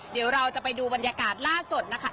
เดี๋ยวเราจะไปดูบรรยากาศล่าสุดนะคะ